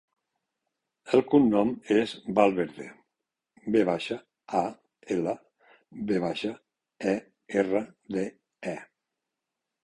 El cognom és Valverde: ve baixa, a, ela, ve baixa, e, erra, de, e.